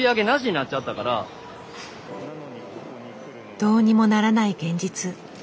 どうにもならない現実。